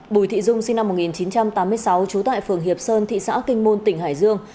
bùi thị dung sinh năm một nghìn chín trăm tám mươi sáu trú tại phường hiệp sơn thị xã kinh môn tỉnh hải dương